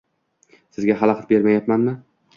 Sizga xalaqit bermayapmanmi?